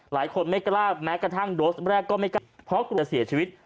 ไม่กล้าแม้กระทั่งโดสแรกก็ไม่กล้าเพราะกลัวจะเสียชีวิต